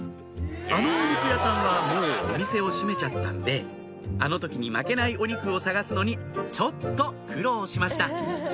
あのお肉屋さんはもうお店を閉めちゃったんであの時に負けないお肉を探すのにちょっと苦労しました